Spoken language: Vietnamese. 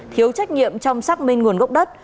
thiếu trách nhiệm trong xác minh nguồn gốc đất